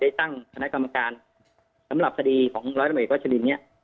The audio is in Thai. ได้ตั้งธนักกรรมการสำหรับสดีของร้อยละเบียบราชดีเนี้ย